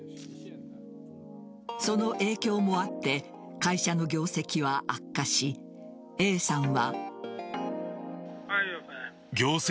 その影響もあって会社の業績は悪化しＡさんは。